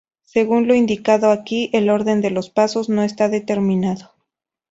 Según lo indicado aquí, el orden de los pasos no está determinado.